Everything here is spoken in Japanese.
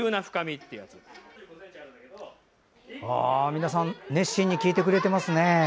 皆さん、熱心に聞いてくれていますね。